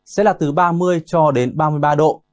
sẽ là từ ba mươi cho đến ba mươi ba độ